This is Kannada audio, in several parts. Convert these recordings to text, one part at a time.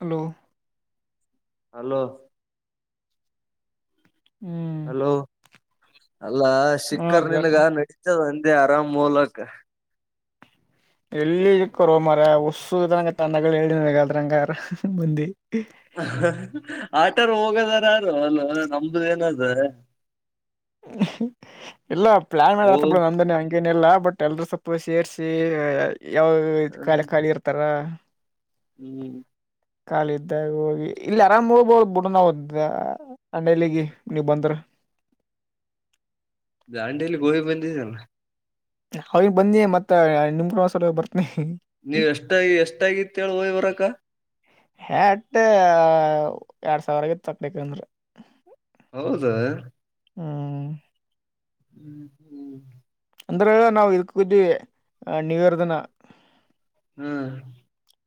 ಹಲೋ ಹಲೋ ಹ್ಮ್ ಹಲೋ ಅಲ್ಲಾ ಹ ಶಿಖರ್ ಇವತ್ತು ನಿನ್ಗ ನಡೀತದ ಅಂದೇ ಆರಾಮ್ ಮೂಲಕ ಎಲ್ಲಿಕ್ಕೋ ಮರ ಹಸುಂಗ ತಂಡಗಳು ಹೇಳಗದ್ರಂಗ ಮಂದಿ ಆಟರು ಹೋಗದಾರಾರು ಅಲ್ವ ನಮ್ದು ಏನದ ಇಲ್ಲ ಪ್ಲಾನ್ ಮಾಡಲೆ ಓ ಇತ ಬಿಡ ನಂದ ತನೆ ಈನೆಲ್ಲ ಬಟ್ ಎಲ್ರೂ ಸ್ವಪ್ಪು ಸೇರಿಸಿ ಯಾವ ಖಾಲಿ ಖಾಲಿ ಇರ್ತಾರ ಹ್ಮ್ ಕಾಲ ಇದ್ದಾಗ ಹೋಗಿ ಇಲ್ಲಿ ಆರಾಮ್ ಹೋಗಬಹುದು ಬಿಡ ನಾವವು ಅಂಡಲ್ಲಿಗೆ ನೀವ್ ಬಂದ್ರ ದಾಂಡಿಯಲಿ ಗೋಹಿ ಬಂದಿದೆಲ್ಲ ಅವಿಗೆ ಬಂದಿ ಮತ್ತ ನಿಮಪವಾಸ ಬರ್ತನಿ [unintelligible] ನೀವ್ ಎಷ್ಟ ಎಷ್ಟಾಗಿತ್ತೇಳ ಹ್ವರಕ್ಕ [unintelligible] ಹಟ್ಟ ಎರಡ್ ಸಾವಿರಗ ತಗಲಿಕ್ಕಂದ್ರ [unintelligible] ಹೌದಾ [unintelligible] ಹ್ಮ [unintelligible] ಹ್ಮ್ [unintelligible] ಅಂದ್ರ ನಾವ್ ಇದ ಕ್ದಿ ನ್ಯೂ ಇಯರ್ ಧಿನ [unintelligible] ಹ್ಮ್ [unintelligible]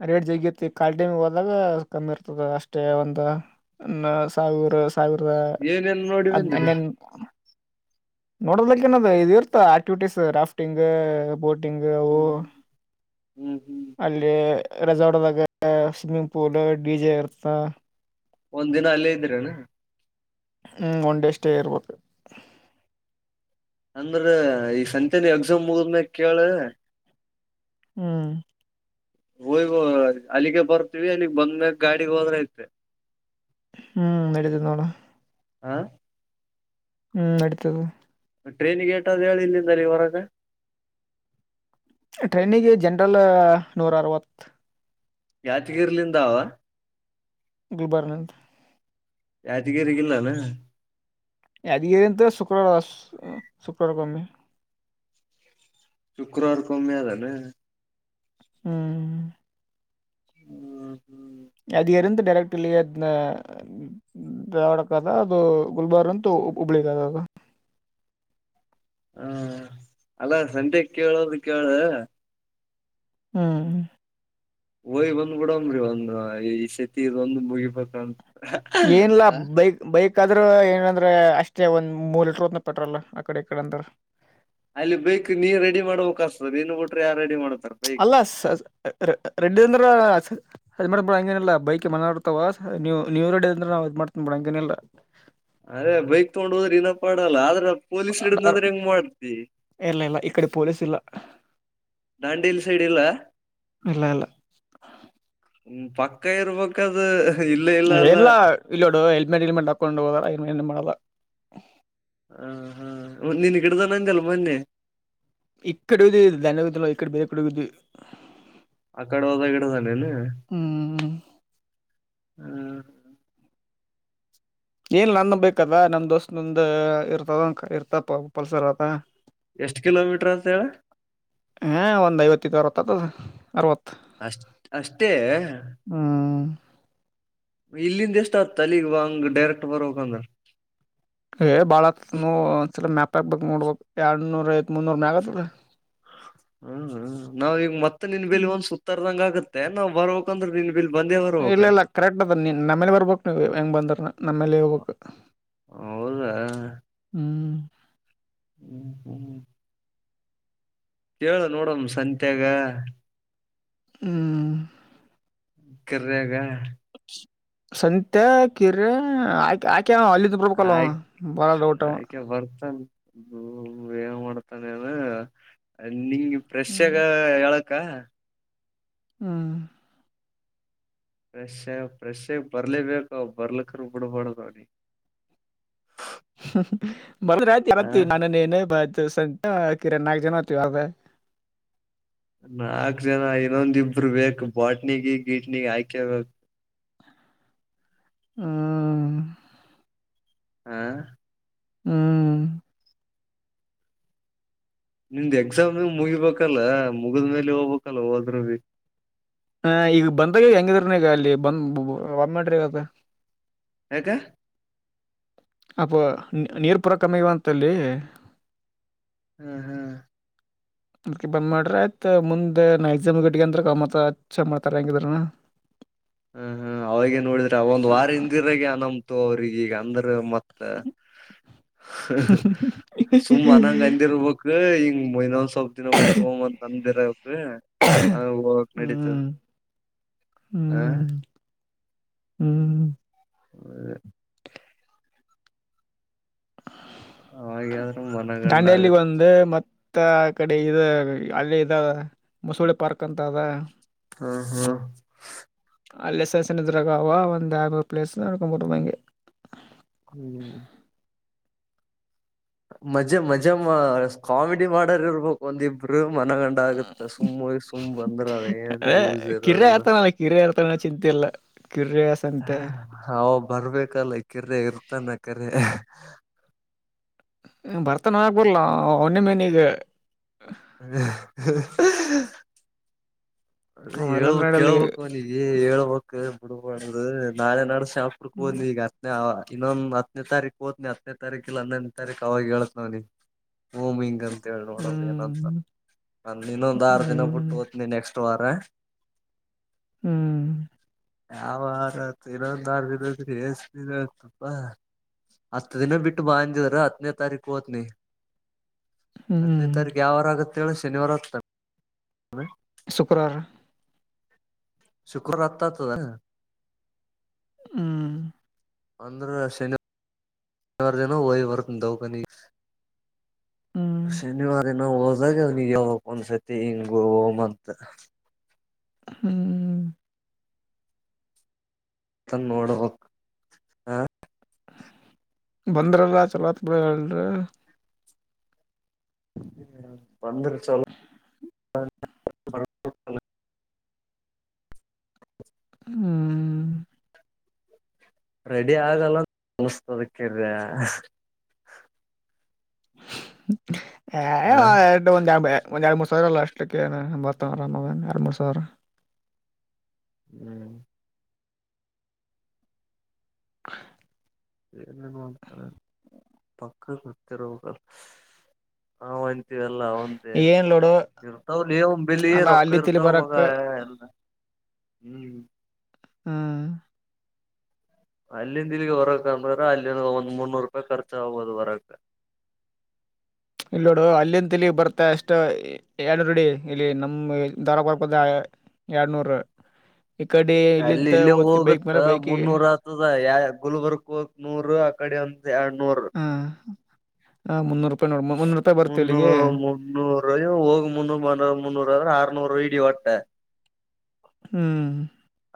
ರೇಟ್ ಜಗಿಯತಿ ಕ್ವಾಲಿಟಿ ಹೋದಾಗ ಕಮ್ಮಿ ಇರ್ತದ ಅಷ್ಟೇ ಒಂದು [unintelligible] ನ ಸಾವಿರ ಸಾವಿರದ ಏನೇನ್ ನೋಡಿ ಅದ್ನ್ ಬಂದಿರಿ [unintelligible] ನೋಡೋದಕ್ಕ ನ ಇದು ಇರ್ತ ಆಕ್ಟಿವಿಟೀಸ್ ರಾಫ್ಟಿಂಗ್ ಬೋಟ್ [unintelligible] ಡಿಂಗವು ಹ್ಮ್ ಹ್ಮ್ ಹ್ಮ್ ಅಲ್ಲಿ [unintelligible] ರೆಸಾರ್ಟದಾಗ ಸ್ವಿಮ್ಮಿಂಗ್ ಪೂಲ್ ಡಿ ಜೆ ಇರ್ತ ಒಂದ್ ದಿನ ಅಲ್ಲೇ ಇದ್ರೆನ ಹ್ಂಗೆ ಒನ್ ಡೇ ಸ್ಟೇ ಇರ್ಬೇಕು ಅಂದ್ರ ಈ ಸಂತನಿ ಎಕ್ಸಾಮ್ ಮುಗದ್ಮ್ಯ ಕೇಳ [unintelligible] ಹ್ಮ್ [unintelligible] ಹೋಯ್ ಅಲ್ಲಿಗೆ ಬರ್ತವಿ ಅಲ್ಲಿಗ್ ಬಂದ್ಮ್ಯಾಗ ಗಾಡಿಗೆ ಹೋದ್ರೆ ಐತೆ [unintelligible] ಹ್ಮ್ ನೆಡಿತತಿ ನೋಡ [unintelligible] ಆ [unintelligible] ಹ್ಮ್ ನಡಿತದ [unintelligible] ಟ್ರೈನ್ಗೆಟಾದ್ ಹೇಳ ಇಲ್ಲಂದ ರೀ ಹೊರಗೆ [unintelligible] ಟ್ರೈನಿಗೆ ಜನರಲ್ ನೂರ ಅರವತ್ತು [unintelligible] ಯಾತಿಗಿರ್ಲಿಂದ [unintelligible] ಗುಲ್ಬರ್ನಂತ [unintelligible] ಯಾದಗರಿಗಿಲ್ಲಾನ [unintelligible] ಅದತ ಶುಕ್ರವಾರು ಶುಕ್ರವಾರ ಕಮ್ಮಿ [unintelligible] ಶುಕ್ರವಾರ ಕಮ್ಮೆ ಅದಾನ [unintelligible] ಹ್ಮ್ [unintelligible] ಹ್ಮ್ ಹ್ಮ್ [unintelligible] ಅದು ಎಂತ ಡೈರಕ್ಟ್ಲ್ಲಿ [unintelligible] ದೇವಾಡಕ್ದ ಅದು ಗುಲ್ಬರ್ ಅಂತೂ ಹುಬ್ಳಿ ಅದ ಅದು [unintelligible] ಹಾ ಅಲ್ಲ ಸಂತೆ ಕೇಳೋದು ಕೇಳ [unintelligible] ಹ್ಮ್ [unintelligible] ಹೊಯ್ ಬಂದ್ ಬಿಡಂಬ್ರಿ ಒಂದ್ ಈ ಶತಿ ಇದ ಒಂದ್ ಮುಗಿಬೇಕ [unintelligible] ಏನಿಲ್ಲ ಬೈಕ್ ಬೈಕ್ ಆದ್ರ ಏನಂದ್ರೆ ಅಷ್ಟೇ ಒಂದ್ ಮೂರ್ ಲೀಟ್ರ ಹೊತದ ಪೆಟ್ರೋಲ್ ಆ ಕಡೆ ಈ ಕಡೆ ಅಂದ್ರ ಅಲ್ಲಿ ಬೈಕ್ ನೀ ರಡಿ ಮಾಡಬೇಕಾತದ ನೀನ್ ಬಿಟ್ರ ಯಾರ ರಡಿ ಮಾಡ್ತಾರ ಬೈಕ್ ಅಲ್ಲ ಸ ರೆಡಿ ಅಂದ್ರ ಅದ ಮಾಡ್ಬ ಬಿಡ ಹಂಗೆನಿಲ್ಲ ಬೈಕ್ ಮನ್ನಾರ ಇರತ್ತಾವ ನೀವ ರಡಿ ಅಂದ್ರ ನಾವ್ ಮಾಡ್ತನ್ ಬಿಡ ಹಂಗನಿಲ್ಲ ಅದೇ ಬೈಕ್ ತಗೊಂಡ ಹೋದ್ರೆ ಇನಪ್ಪಾಡಲ್ಲ ಆದ್ರ ಪೊಲೀಸ್ ಹಿಡ್ದದನಂದ್ರ ಹೆಂಗ ಮಾಡ್ತಿ ಇರ್ಲ ಇಲ್ಲ ಇಕಡಿ ಪೊಲೀಸ್ ಇಲ್ಲ ದಾಂಡೇಲಿ ಸೈಡ್ ಇಲ್ಲ ಇಲ್ಲ ಇಲ್ಲ ಹ್ಮ ಪಕ್ಕ ಇರ್ಬೇಕದು ಇಲ್ಲ ಇಲ್ಲ ಅಲ್ಲ ಎಲ್ಲ ಇಲ್ಲೋಡು ಹೆಲ್ಮೆಟ್ ಇಲ್ಮೆಟ್ ಹಾಕೊಂಡು ಹೋದ ಏನ್ ಮಾಡಲ್ಲ ಹ ಹಾ ನಿನ್ ಗಿಡ್ದ ನಂದಲ್ಲೆ ಮೊನ್ನೆ ಇಕ್ಕಡೆ ದಧಂಡವಿದ ಇಡೆ ಬರೆಡೆ [unintelligible] ಆಕಡಿ ಹೋದಾಗ ಹಿಡ್ಧನ ಏನ ಹ್ಮ್ ಹ ಏನಿಲ್ಲ ನಂದ್ ಒಂದ್ ಬೈಕದ ನಮ ದೋಸ್ತ್ ನಂದ ಇರ್ತದ ಇರ್ತ ಪಲ್ಸರ್ದ ಎಷ್ಟ ಕಿಲೋಮೀಟರ್ ಆತದ ಹೇಳ ಹಾ ಒಂದ ಐವತ್ತಿದ ಅರವತ್ತತ್ತೊದದ ಅರವತ್ತ ಅಷ್ಟ ಅಷ್ಟೇ ಹ್ಮ್ ಇಲ್ಲಿಂದ ಎಷ್ಟ ಆತದ ಅಲ್ಲಿಗ ಹಂಗ ಡೈರೆಕ್ಟ್ ಬರಬೇಕಂದ್ರ ಏ ಭಾಳ ಆಗ್ತದ ನ ಒಂದಸಲ ಮ್ಯಾಪ್ ಹಾಕ್ಬೇಕ್ ನೋಡ್ಬೇಕು ಎರಡನೂರ ಐತ್ ಮುನ್ನೂರ ಮ್ಯಾಗ ಆತದ ರೀ ಹ್ಮ್ ಹ ನಾವ ಈಗ ಮತ್ತ ನಿನ್ ಬಲಿ ಒಂದ್ ಸುತ್ತಾರ್ದಂಗ ಆಗತ್ತೆನ ನಾವ್ ಬರ್ಬೇಕಂದ್ರ ನಿನ್ ಬಂದೆವ ಇಲ್ಲ ಇಲ್ಲ ಕರೆಕ್ಟ್ ಅದ ನೀ ನಮ್ಮೇಲೆ ಬರ್ಬೇಕು ನೀವು ಹೆಂಗ್ ಬಂದ್ರ ನಮ್ಮೇಲೆ ಹೋಗ್ಬೇಕ ಹೌದಾ ಹ್ಮ್ ಹ್ಮ್ ಹ್ಮ್ ಹ್ಮ ಹೇಳ ನೋಡಮ್ಮ ಸಂತ್ಯಾಗ ಹ್ಮ್ ಕರಾಗ ಸಂತೆ ಕಿರೆ ಆಕೆ ಆಕೆ ಅವ ಅಲ್ಲಿದ ಬರ್ಬೇಕಲ್ಲ ಆಯ್ತ ಆಯ್ಕಾ ಬರ್ತನ್ [unintelligible] ಹ್ಮ ಏನ್ ಮಾಡ್ತಾನೆನ ನಿಂಗೆ ಹ್ಮ್ ಫರಶೆಗ ಹೇಳ ಕಾ ಹ್ಮ್ ಫೆಶ್ಫ್ರೆಶ್ಗ್ ಬರ್ಲೇಬೇಕ ಬರ್ಲೀಕ್ರ ಬೀಡಬಾಡದ ಅವನಿಗ [inaudible] ಆ [unintelligible] ನಾನ ನೀನ ಮತ್ತ ಸಂತೆ ಕಿರೆ ನಾಲ್ಕ ಜನ ಆತಿವ ಅಬೆ ನಾಕ್ ಜನ ಇನ್ನೊಂದ ಇಬ್ರು ಬೇಕು ಬಾಟ್ನಿಗೆ ಗೀಟ್ನಿಗಿ ಹಾಕೇಬೇಕು ಹ್ಮ್ ಹ್ಮ ಹ್ಮ್ ನಿಮ್ದ್ ಎಕ್ಸಾಮ್ ಮುಗಿಬೇಕಲ್ಲ ಮುಗಿದ್ಮೆಲೆ ಹೋಗ್ಬೇಕಲ್ಲ ಹೋದರು ಭಿ ಹ ಈಗ ಬಂದಾಗೆವ ಹೆಂಗಿದ್ರನ ಈಗ ಅಲ್ಲಿ ಬಂದ್ ಮಾಡೆರ ಇವಾಗ ಯಾಕ ಅಪ್ಪ ನೀರ ಪುರ ಕಮಿ ಆಗ್ಯವ ಅಂತಲ್ಲಿ ಹ್ಮ ಹ್ಮ್ [inaudible] ಅದ್ಕೆ ಬಂದ್ ಮಾಡ್ರಿ ಆಯ್ತ ಮುಂದೆ ನ ಎಕ್ಸಾಮ್ ಗಡ್ಗ ಅಂದ್ರ ಮತ್ತ ಅಚ್ಚ ಮಾಡ್ತಾರ ಹೆಂಗಿದ್ರನ [inaudible] ಹ ಹ ಅವಾಗೇ ನೋಡಿದ್ರ ಒಂದ ವಾರ ಹಿಂದಿರಗನ ಅನಂತು ಅವ್ರಗ ಈಗ ಅಂದ್ರ ಮ ಅ ಸುಮ್ಮ್ ಅನಂಗಂದಿರ್ಬೇಕ. ಎ ಹಿಂಗ ಮೀ ಇನೊಂದ ಸೊಲ್ಪ ದಿನ ಬಿಟ್ಟ ಹೋಮ್ ಅಂತ ಅಂದಿರಕ್ರ ಆ ಹೋಗಕ್ ನಡೀತ. ಹ್ಮ ಹ್ಮ. [inaudible] ಅವಾಗ್ಯಾದ್ರ ಮನಗಂಡ ದಾಂಡೆಯಲ್ಲಿ ಆಗತ್ತ ಒಂದ ಮ ತ್ತ ಅಕಡೆ ಇದ ಅಲ್ಲಿ ಇದವ ಮಸೂಳೆ ಪಾರ್ಕ್ ಅಂತ ಅದ. ಹಾ ಹಾ ಅಲ್ಲೇ ಸಸಣ ಇದ್ರಾಗ ಅವ ಒಂದ ಎ ಮೂ ಪ್ಲೇಸ್ ನಡ್ಕೊಂಡಂಬ್ರ ಹಂಗೆ ಹ್ಮ. ಮಜ ಮಜ ಮ ಕಾಮಿಡಿ ಮಾಡರ ಇರ್ಬೇಕ ಒಂದಿಪ್ ಬ್ರು ಮನಗಂಡ ಆಗತ್ತ ಸುಮ್ಮ ಸುಮ್ ಬಂದ್ರ ಅದ ಏನ್ ಯೂಸ್ ಇರಲ್ಲ. ಕಿರ ಇರ್ತನ ಚಿಂತ ಇಲ್ಲ ಕಿರ ಸಂತೆ ಹ ಬರ್ಬೇಕಲ್ಲ ಕಿರೆ ಇರ್ತಾನ ಕರೇ. ಬರ್ತಾನ ಅನ್ನಬರಲ್ಲ ಅವನ ನನೀಗ [unintelligible] ರೀ ಅವ ಇ ಇಲ್ಲಾಂದ್ರೆ ನಡೆಯಲ್ಲ ಈಗ ಕೇಳ್ಬೇಕ್ಲಾ. ಎ ಹೇಳ್ಬಕ ಬಿಡ್ಬ ಅು ನಾಳೆ ನಾಡು ಶಾಪರ್ಕ್ ಬಂದಿ ಈಗ ನ ಇನ್ನೊಂದ ಹತ್ತನೇತಾರೀಕ ಒತ್ನಿ ಹತ್ತನೇ ತಾರೀಕ ಇ ಹೊನೇ ತಾರೀಕು ಅವಾಗ ಹ ಹೇಳತ್ ನ್ ನೀ ಓ ಮಿಂಗಲ್ [unintelligible] ನೋಡ ಏನಂತ ಹ್ಮ್ ನಾನ ಇನ್ನೊಂದ ಆರ ದಿನ ಬಿಟ್ಟ ಹ್ಮ್ ಹೊತ್ನಿ ನೆಕ್ಸ್ಟ್ ವಾರ ಹ್ಮ. [unintelligible] ಹತ್ತ ದಿನ ಬಿಟ್ಟ ಬಾ ಅಂದಿದ್ರ ಹತ್ತನೇ ತಾರೀಕ ಹೊತ್ನಿ. ಹತ್ತನೇ ಹ್ಮ್ ತಾರೀಕ ಯಾವಾರ ಆಗತ್ತೆೇಳ ಶನಿವಾರ ಆಗತ್ತ. ಶುಕ್ರಾರ. ಶುಕ್ರರ್ ಅತ್ತಾತದ. ಹ್ಮ. ಅಂದ್ರ ಶನ ರ್ದನ ಓ ಬರ್ತನ ದವ್ಕನಿಗಿ ಹ್ಮ್ ಶನಿವಾರಿನ್ ನಾ ಹೋದಾಗ ಅವ್ನಿಗ ಯಪ ಒಂದಸತಿ ಹಿಂಗ ಹೋಮ ಅಂತ ಹ್ಮ. ತ ನೋಡಬ ಬಂದ್ರಲ್ಲ ಚಲೋತ ಬ ಳ ಬಂದ್ರ ಚಲೋ. ಹ್ಮ. ರೆಡಿ ಆಗಲ್ಲ ಅನಸ ತದಕ್ಕ ದ ಹ [unintelligible] ಒಂದ್ ಯಾ ಬ [unintelligible] ಸಾ ಅಷ್ಟಕ್ಕ [unintelligible] ಹ್ಮ. [inaudible] ಏನೇನೋ ಅಂತರ ಪಕ್ಕ ಗೊತ್ತಿರಬೇಕಲ್ಲ. ಹಾ ಒಂತೀವೆ ಅಲ್ಲ ಒಂದೇ ಏನ್ ಲೋಡು ಇರ್ತಾವ ಲೇ ಅವ್ನ ಬಲಿ ಅಲ್ಲ ರೊಕ್ಕ ಅಲ್ಲಿ ತಿಳಿ ಇರ್ತಾವ ಮಗ ಬರಕ್ ಎಲ್ಲ ಹ್ಮ. ಹ್ಮ. ಅಲ್ಲಿಂದ ಇಲ್ಲಿಗ ಬರಕ್ ಅಂದ್ರ ಅಲ್ಲಿಂದ ಒಂದ್ ಮುನ್ನರ ಪಾಯಿ ಕರ್ಚ ಆಗ್ಬದು ಬರಕ್ ಇಲ್ಲ ನೋಡು ಅಲ್ಲಿನ ಇಲ್ಲಿ ಬರ್ತ ಎಷ್ಟ. ಎರಡ್ನೂರುಡಿ ಇಲ್ಲಿ ನಮ ದಾರ ಕೊರ್ಕದ ಎರಡ್ನೂರು ಈ ಕಡೆ ಇಲ್ಲಿಂತ ಓದ್ತ ಬೈಕ್ ಮೇಲೆ ಬೈಕ್ ದ ಯ ಗುಲ್ಬರ್ಗ್ ಹಕ್ ನೂರ್ ಆ ಕಡೆ ಒಂದ ಎರಡ್ ನೂರ್ ಹಾ ಹ ಮುನ್ನೂರು ರೂಪಾಯಿ ನೋಡ ಮುನ್ನೂರು ರೂಪಾಯಿ ಬರ್ತೀವಿ ಇಲ್ಲಿಗೆ ಮುೂರು ಹೋಗಿ ಮುನ್ನೂರು ಮುನ್ನೂರ ಆದ್ರ ಆರ್ನೂರು ಇಡಿ ಒಟ್ಟೆ ಹ್ಮ್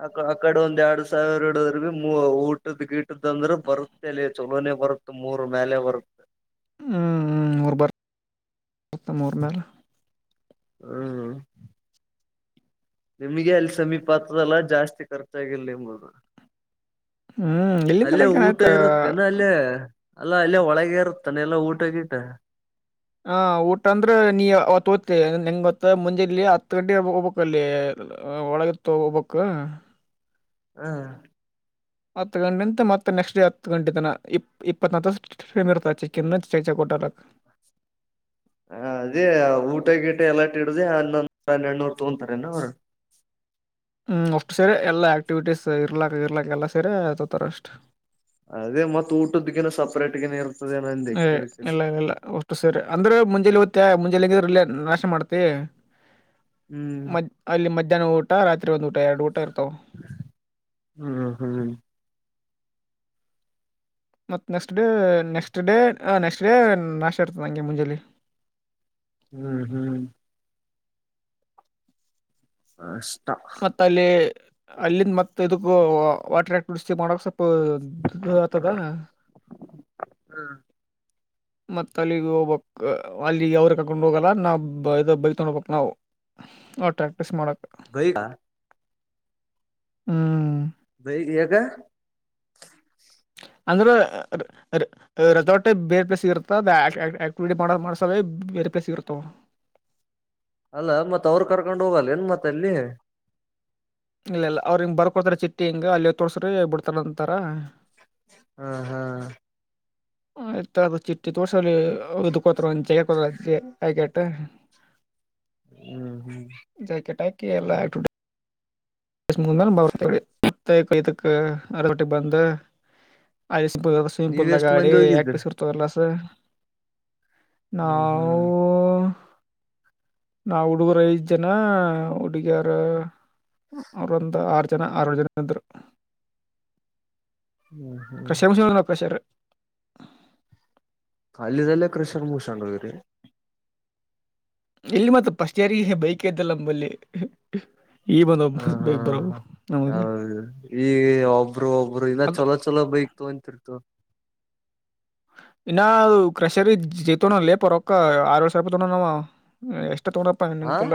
ಅ ಆ ಕಡೆ ಒಂದ್ ಎರಡ್ ಸಾವಿರ ಎರಡದ್ ಭ ಊಟದ ಗಿಟದ ಅಂದ್ರೆ ಬರುತ್ತಲ ಚಲೋನೆ ಬರುತ್ತ ಮೂರ್ ಮೇಲೆ ಬರುತ್ತೆ ಹ್ಞ ಅವರು ಬರ್ ಬರ್ತ ಮೂರ ಮೇಲೆ ಹ್ಮ್ [inaudible] ನಿಮ್ಗೆ ಅಲ್ಲಿ ಸಮೀಪ ಹತ್ತದಲ್ಲ ಜಾಸ್ತಿ ಖರ್ಚಾಗಿರ್ಲಿ ನಿಂಬುದು ಹ್ಮ್ ಅಲ್ಲೇ ಇಲ್ಲಿಂದಲಕ ಊಟ ಆಯ್ತ ಇರುತ್ತೆನೆ ಅಲ್ಲ ಅಲ್ಲೇ ಅಲ್ಲ ಅಲ್ಲೇ ಒಳಗೆ ಇರುತ್ತಾನೆ ಎಲ್ಲಾ ಊಟಗಿಟ್ಟ ಹ ಊಟ ಅಂದ್ರೆ ನೀ ಅವತ್ತು ಓದ್ತ ನಂಗತ್ ಮುಂಜೆಲ್ಲಿ ಹತ್ತು ಗಂಟೆ ಹೋಗ್ಬೇಕಲ್ಲಿ ಒಳಗೆ ಹೋಗಬೇಕು ಹಾ ಹತ್ತು ಗಂಟೆ ಅಂತ ಮತ್ತೆ ನೆಕ್ಸ್ಟ್ ಡೇ ಹತ್ತು ಗಂಟೆ ತನ ಇಪ್ ಇಪ್ಪ ಮರ್ತಾೆಿನ್ನ [unintelligible] ಚೈಚೆ ಕೋಟಲ್ಲಕ್ ಹ ಅದೇ ಊಟ ಗೀಟ ಎಲ್ಲಾಟಿ ಇಡ್ದ ಹನ್ನೊಂದು ಹನ್ನೆರಡ್ನೂರ್ ತೊಗೊಂತಾರೆ ನ ಹ್ಮ್ ಅಷ್ಟ್ ಸೇರಿ ಎಲ್ಲಾ ಆಕ್ಟಿವಿೀಸ್ ಇರ್ಲಾಕ್ ಇರ್ಲಾಕ್ ಎಲ್ಲಾ ಸರಿ ಆೊತಾರ ಅಷ್ಟ್ ಅದೇ ಮತ್ತ ಊಟಕ್ಕನು ಸಪ್ರೇಟ್ಗ ಇರ್ ಏ್ ಎಲ್ಲಲ್ಲ ಅಷ್ಟು ಸೇರಿ ಅಂದ್ರೆ ಮುಂಜೆಲಿ ಓ್ಾ ಮುಂಜೆಲಿ ಇಲ್ಲ ನಾಶಟ ಮಾಡ್ತಿ ಹ್ಮ್ ಅಲ್ಲಿ ಮಧ್ಯಾಹ್ನ ಊಟ ರಾತ್ರಿ ಒಂದ್ ಊಟ ಎರಡು ಊಟ ಇರ್ತಾವ [unintelligible] ಹ್ಮ ಹ್ಮ್ ಮತ್ತ next day next day next day ನಾಶ ಇರ್ತದೆ ನಂಗೆ ಮುಂಜೇೆಯಲ್ಲಿ ಹ್ಮ್ ಹ್ಮ್ ನಷ್ಟ ಮತ್ತ ಅಲ್ಲಿ [inaudible] ಅಲ್ಲಿಂದ ಮತ್ತತ್ ಇದಕ್ಕ ವಾಟರ್ [unintelligible] ಮಾಡಕ ಸ್ವಲ್ಪ [unintelligible] ಆತದ [unintelligible] ಹ್ಮ್ ಮತ್ತ ಅಲ್ಲಿಗೆ ಹೋಗ್ಕ್ ಅಲ್ಲಿ ಅವ್ರ ಕರ್ಕೊಂಡು ಹೋಗಲ್ಲ ನಾವು ಬೈತೊಂಡು [inaudible] ನಾವು [unintelligible] ಅವ ಪ್ರಟಾಕ್ಟಿಸ್ ಮಾಡಕ್ ಗೈಾ ಹುಂ ಬೈ ಯಗ ಅಂದರ ರೆಾರ್ಟೇ ಬೇರೆ ಪ್ಲೇಸ್ ಇರುತ್ತ ಆಕ್ಟಿವಿಟಿ ಮಾಡ ಮಾಡಸೇ ಬೇರೆ ಪ್ಲೇಸ್ ಇರುತ್ತಾವ ಅವ ಅಲ್ಲ ಮತ್ ಅವರು ಕರ್ಕೊಂಡ್ ಹೋಗಲ್ಲ ಏನ್ ಮತ್ತ ಅಲ್ಲಿ ಇಲ್ಲ ಇಲ್ಲ ಅವ್ರ ಹಿಂಗ ಬರ್ಕೊಡ್ತಾರೆ ಚಿಟ್ಟಿ ಹಿಂಗ ಅಲ್ಲಿ ತೋರ್ಸ್ರ ಬಿಡ್ತಾನಿ ಅಂತಾರ ಹ್ ಹ್ ಆಯ್ತ ಅದು ಚಿಟ್ಟಿ ತೋರ್ಸಲ್ಲಿ ಇದು್ಕೋತ ಒಂದ ಜಗತ ಆಾಕೆಟ್ಟ ಹ್ಮ್ ಹ್ಮ್ ಜಾಕೆಟ್ ಹಾಕಿ ಎಲ್ಲಾ [unintelligible] ಅರೊಟ್ಟಿಗೆ ಬಂದು [inaudible] ನೀವ್ [unintelligible] ಎಷ್ಟ್ ಗಾಡಿ ಮಂದಿ ಹೋಗಿದ್ರಿ [unintelligible] [unintelligible] ಹ್ಮ್ ನಾವು ಹ್ಮ್ ನಾ ಹುಡುಗರು ಐದು ಜನ ಹುಡುಗಿಯಾರ ಅವರುೊಂದು ಆರು ಜನ ಆರು ಜನ ಇದ್ರು [unintelligible] ಕೃಷಂಶ್ರು ಪ್ರ ಸರ್ ಅಲ್ಲಿದೆಲ್ಲೇ ಕೃಷ್ಣನ್ [unintelligible] ಇಲ್ಲಿ ಮತ್ತ ಪಫಸ್ಟ್ ಯಾರ ಬೈಕ್ ್ದಲ್ಲ ನಂಬಲ್ಲಿ ಈ ಬಂದು ಒಬ್ಬ ಹಾ ಹಾ [unintelligible] ಹ ಬರೋವು ನಮಗೆ ಹೌದು ಈ ಒಬ್ರು ಒಬ್ಬರು ಇಲದ ಅದು ಚೊಲೋ ಚಲ ಬೈಕ್ತು ತೊಗರ್ತಿತೊಗ ಇನ್ನ ಅದು ಕ್ರಷರ ಜತನ ಲಪ ರೊಕ್ಕ ಆರು ವಷ ಸರ್ಪತೊಂಡ ನವ ಹ್ಮ ಎಷ್ಟ ತಗೊಂಡಪ್ಪಾ ಹಾ ನೆನನ್ನ್ಪಿಲ್ಲ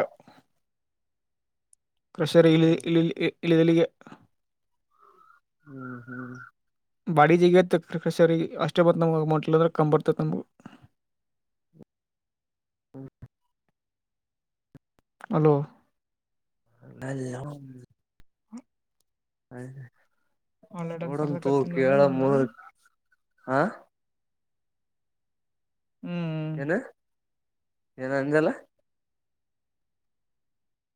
ಕೃಷರಿ ಹ್ಮ್ ಇ ಇಳಿದಲಿಗೆ ಹ್ಮ್ ಹ್ಮ್ ಬಾಡಿ ಜಿಗ ಕ ಅಷ್ಟೇ ಬತ್ತು ನಮ ಅಗಮಂಟ್ಲ ಅ್ರೆ ಕಂಬರ್ತತ್ ನಮ್ಗೆ ಹ್ಮ ಹಲೋ ಹಲ್ಲೋ [unintelligible] [unintelligible] ಆನ್ಲೈನ್ ನೋಡಂತು ಕರ್ಸಕತ್ತೀನಿ ಕೇಳ ಅಂದ್ರ ಹಾ ಹ್ಮ [unintelligible] ಏನು ಏನ ಅಂದಿಲ್ಲ